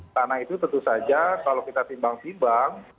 karena itu tentu saja kalau kita timbang timbang